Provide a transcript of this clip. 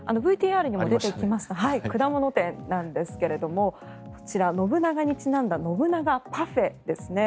ＶＴＲにも出てきた果物店なんですが信長にちなんだ信長パフェですね。